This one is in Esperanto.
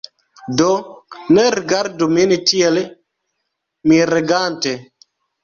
Do, ne rigardu min tiel miregante!